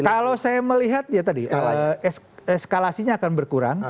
kalau saya melihat ya tadi eskalasinya akan berkurang